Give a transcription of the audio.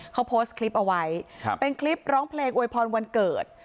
เขาโพสต์คลิปเอาไว้เป็นคลิปร้องเพลงอวยพรวันเกิด